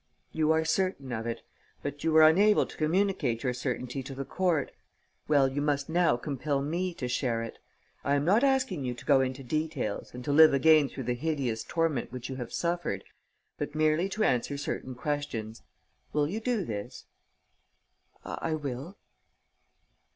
"You are certain of it. But you were unable to communicate your certainty to the court. Well, you must now compel me to share it. I am not asking you to go into details and to live again through the hideous torment which you have suffered, but merely to answer certain questions. Will you do this?" "I will."